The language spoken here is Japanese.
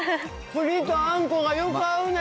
栗とあんこがよく合うね。